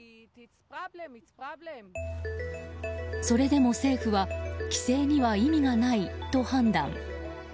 それでも政府は規制には意味がないと判断。